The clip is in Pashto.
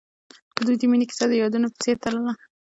د دوی د مینې کیسه د یادونه په څېر تلله.